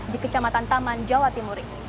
di kecamatan taman jawa timur ini